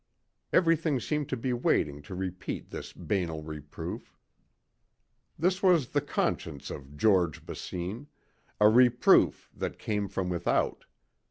Everything seemed to be waiting to repeat this banal reproof. This was the conscience of George Basine a reproof that came from without.